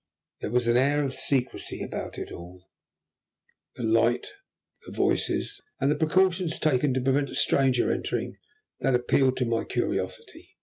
There was an air of secrecy about it all, the light, the voices, and the precautions taken to prevent a stranger entering, that appealed to my curiosity.